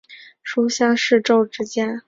书香世胄之家。